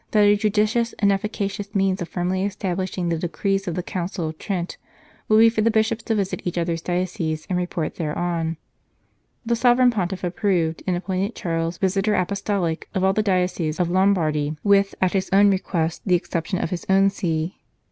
that a judicious and efficacious means of firmly establishing the decrees of the Council of Trent would be for the Bishops to visit each other s dioceses and report thereon. The Sovereign Pontiff approved, and appointed Charles Visitor Apostolic of all the dioceses of Lombardy, with, at his own request, the exception of his own see.